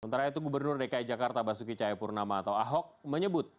sementara itu gubernur dki jakarta basuki cahayapurnama atau ahok menyebut